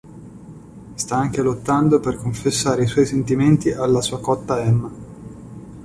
Sta anche lottando per confessare i suoi sentimenti alla sua cotta Emma.